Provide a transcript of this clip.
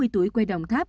bốn mươi tuổi quê đồng tháp